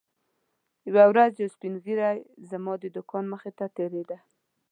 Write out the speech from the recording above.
یوه ورځ یو سپین ږیری زما د دوکان مخې ته تېرېده.